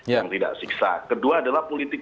yang tidak siksa kedua adalah politik